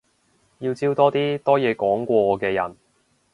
要招多啲多嘢講過我嘅人